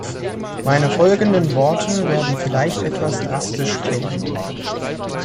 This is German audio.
Meine folgenden Worte werden vielleicht etwas drastisch klingen.